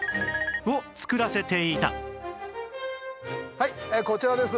はいこちらです。